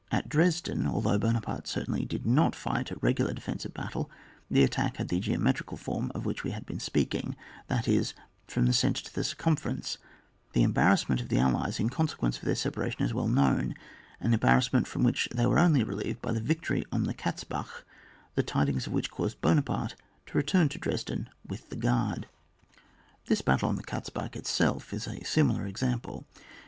At Dresden, although Buonaparte certainly did not fight a re gular defensive battle, the attack had the geometrical form of which we have been speaking, that is, from the centre to the circumference ; the embarrassment of the Allies in consequence of their separation, is well known, an embarrassment from which they were only relieved by the victory on the Katzbach, the tidings of which caused Buonaparte to return to Dresden with the Guard. This battle on the Katzbach itself is a similar example.